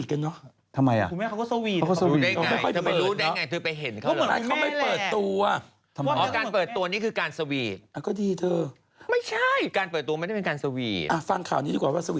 กระเทยเก่งกว่าเออแสดงความเป็นเจ้าข้าว